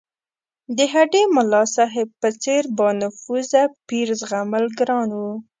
د هډې ملاصاحب په څېر بانفوذه پیر زغمل ګران وو.